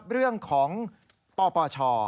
เรื่องของปปช